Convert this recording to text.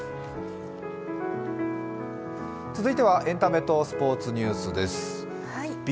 続いてはエンタメとスポーツニュースです。